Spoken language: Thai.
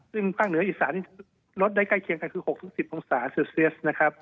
ซึ่งภาคเหนืออีสานลดได้ใกล้เคียงกันคือ๖๑๐องศาเซลเซียสนะครับ